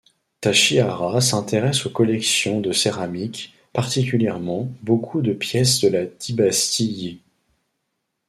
Tachihara s'intéresse aux collections de céramiques, particulièrement beaucoup de pièces de la dybastie Yi.